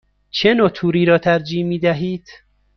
چه نوع توری را ترجیح می دهید؟